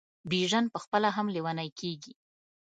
بیژن پخپله هم لېونی کیږي.